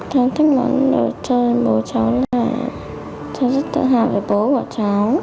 tôi thích món đồ chơi bố cháu là tôi rất tự hào về bố của cháu